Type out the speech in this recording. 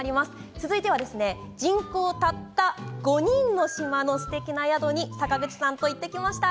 続いては人口たった５人の島のすてきな宿に坂口さんと行ってきました。